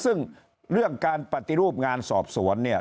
ซึ่งเรื่องการปฏิรูปงานสอบสวนเนี่ย